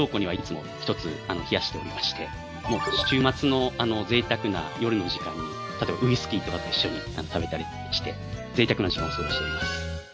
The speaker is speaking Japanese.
週末のぜいたくな夜の時間に例えばウイスキーとかと一緒に食べたりしてぜいたくな時間を過ごしています。